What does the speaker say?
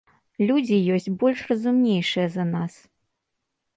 Людзі ёсць больш разумнейшыя за нас.